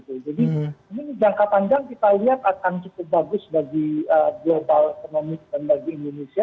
jadi di jangka panjang kita lihat akan cukup bagus bagi global ekonomi dan bagi indonesia